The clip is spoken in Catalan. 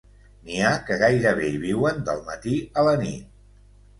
N'hi ha que gairebé hi viuen, del matí a la nit.